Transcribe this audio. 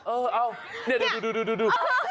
เออเอาเนี่ยดู